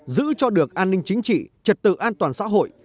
giữ cho được an ninh chính trị trật tự an toàn xã hội